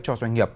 cho doanh nghiệp